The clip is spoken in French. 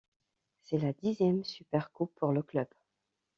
C'est la dixième Supercoupe pour le club.